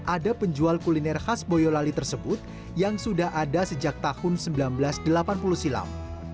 ada penjual kuliner khas boyolali tersebut yang sudah ada sejak tahun seribu sembilan ratus delapan puluh silam